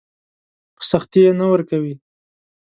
په سختي يې نه ورکوي.